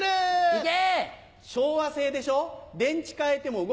行け！